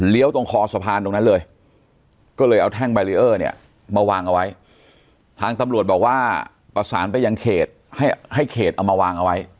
ตรงคอสะพานตรงนั้นเลยก็เลยเอาแท่งแบรีเออร์เนี่ยมาวางเอาไว้ทางตำรวจบอกว่าประสานไปยังเขตให้เขตเอามาวางเอาไว้